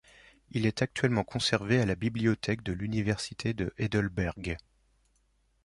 Il est actuellement conservé à la bibliothèque de l'université de Heidelberg.